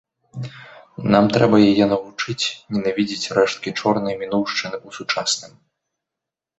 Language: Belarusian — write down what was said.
Нам трэба яе навучыць ненавідзець рэшткі чорнай мінуўшчыны ў сучасным.